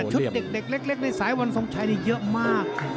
ชุดเด็กเล็กในสายวันทรงชัยนี่เยอะมาก